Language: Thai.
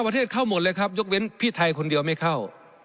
ประเทศเข้าหมดเลยครับยกเว้นพี่ไทยคนเดียวไม่เข้า